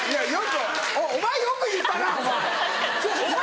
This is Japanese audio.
お前よく言ったなお前！